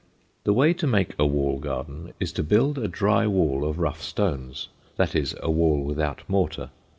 The way to make a wall garden is to build a dry wall of rough stones that is, a wall without mortar.